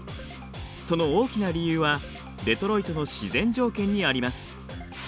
その大きな理由はデトロイトの自然条件にあります。